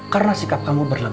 karena sikap kamu berlaku